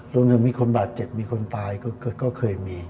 รวมถึงมีคนบาดเจ็บมีคนตายก็เคยมี